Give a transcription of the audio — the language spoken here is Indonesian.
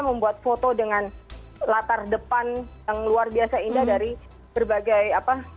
membuat foto dengan latar depan yang luar biasa indah dari berbagai apa